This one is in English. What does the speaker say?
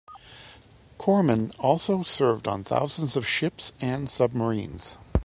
Corpsmen also served on thousands of ships and submarines.